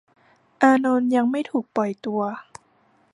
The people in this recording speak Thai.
อานนท์ยังไม่ถูกปล่อยตัว